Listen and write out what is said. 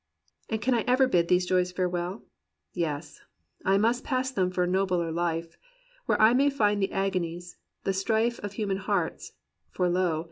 "And can I ever bid these joys farewell? Yes, I must pass them for a nobler life, Where I may find the agonies, the strife Of human hearts : for lo